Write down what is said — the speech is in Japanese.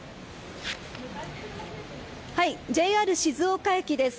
ＪＲ静岡駅です。